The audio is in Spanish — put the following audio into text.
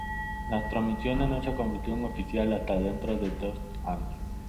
Las transmisiones no se convirtió en oficial hasta dentro de dos años.